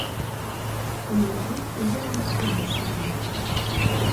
У яго за ўсё душа баліць.